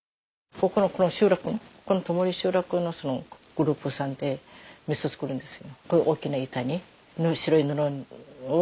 ここのこの集落この土盛集落のグループさんで味噌作るんですよ。